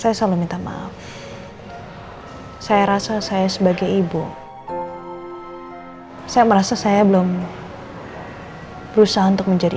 saya selalu minta maaf saya rasa saya sebagai ibu saya merasa saya belum berusaha untuk menjadi